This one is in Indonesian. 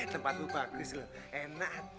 tempat lu bagus loh enak banget